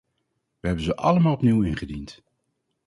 We hebben ze allemaal opnieuw ingediend.